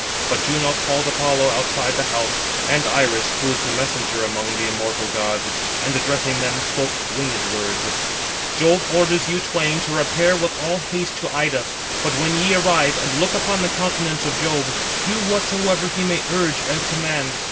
But Juno called Apollo outside the house, and Iris, who is the messenger among the immortal gods, and addressing them, spoke winged words: "Jove orders you twain to repair with all haste to Ida, but when ye arrive, and look upon the countenance of Jove, do whatsoever he may urge and command."